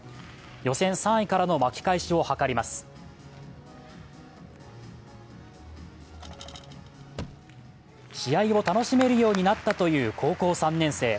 予選３位からの巻き返しを図ります試合を楽しめるようになったという高校３年生。